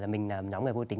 mình là một nhóm người vô tính